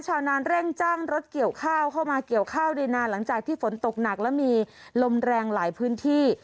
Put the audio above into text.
ชาวนานเร่งจ้างรถเกี่ยวข้าวเข้ามาเกี่ยวข้าวได้นานหลังจากที่ฝนตกหนักและมีลมแรงหลายพื้นที่